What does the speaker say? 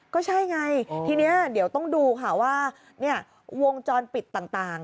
ก็ใช่ไงทีนี้เดี๋ยวต้องดูค่ะว่าวงจรปิดต่าง